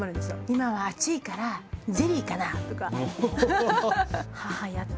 「今は暑いからゼリーかな？」とか。